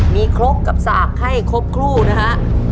มีครบกับสะอาดไข้ครบครู่นะฮะ